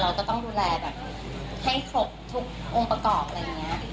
เราก็ต้องดูแลแบบให้ครบทุกองค์ประกอบอะไรอย่างนี้